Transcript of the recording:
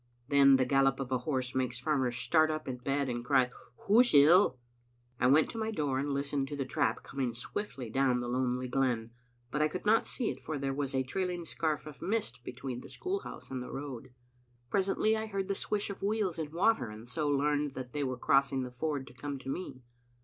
Then the gallop of a horse makes farmers start up in bed and cry, "Who's ill?" I went to my door and listened to the trap coming swiftly down the lonely glen, but I could not see it, for there was a trailing scarf of mist between the school house and the road. Presently I heard the swish of the wheels in water, and so learned that they were crossing the ford to come to me.